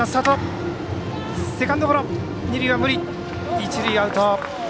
一塁、アウト。